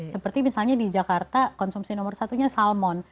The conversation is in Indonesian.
seperti misalnya di jakarta konsumsi nomor satunya salmon